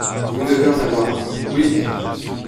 Vous devez en avoir un ? Oui, dit Marius.